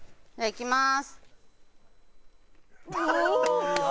いきます！